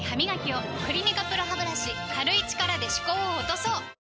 「クリニカＰＲＯハブラシ」軽い力で歯垢を落とそう！